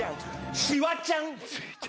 「しわちゃん」